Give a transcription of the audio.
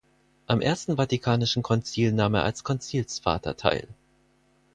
Am Ersten Vatikanischen Konzil nahm er als Konzilsvater teil.